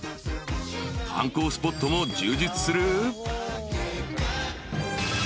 ［観光スポットも充実する］